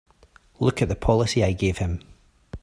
Look at the policy I gave him!